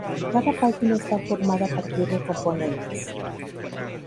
Cada página está formada a partir de componentes.